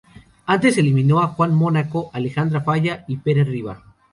Antes eliminó a Juan Mónaco, Alejandro Falla y Pere Riba.